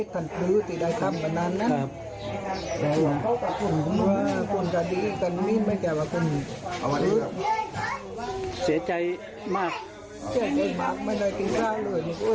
จนเสียชีวิตนะครับ